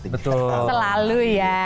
betul selalu ya